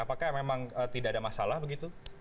apakah memang tidak ada masalah begitu